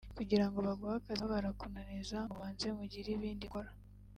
kugirango baguhe akazi nabo barakunaniza ngo mubanze mugire ibindi mukora"